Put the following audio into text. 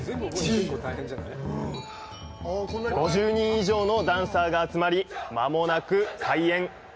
５０人以上のダンサーが集まり間もなく開演。